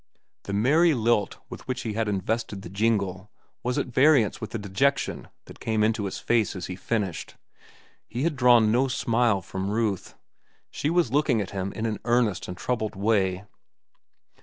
The merry lilt with which he had invested the jingle was at variance with the dejection that came into his face as he finished. He had drawn no smile from Ruth. She was looking at him in an earnest and troubled way.